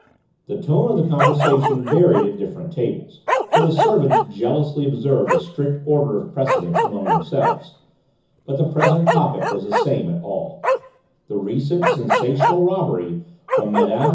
The tone of the conversation varied at different tables, for the servants jealously observed a strict order of precedence among themselves, but the present topic was the same at all, the recent sensational robbery from Mme.